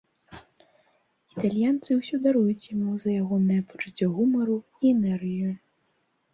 Італьянцы ўсё даруюць яму за ягонае пачуцце гумару і энергію.